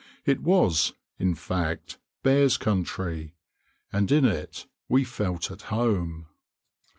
It was, in fact, bears' country; and in it we felt at home.